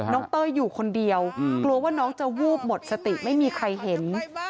เต้ยอยู่คนเดียวกลัวว่าน้องจะวูบหมดสติไม่มีใครเห็น